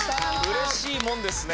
嬉しいもんですね。